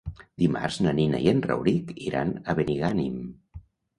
Dimarts na Nina i en Rauric iran a Benigànim.